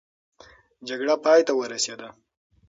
جګړه پای ته ورسېده.